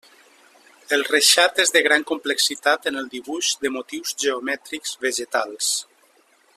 El reixat és de gran complexitat en el dibuix de motius geomètrics vegetals.